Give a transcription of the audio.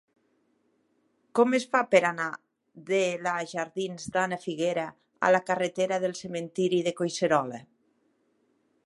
Com es fa per anar de la jardins d'Ana Figuera a la carretera del Cementiri de Collserola?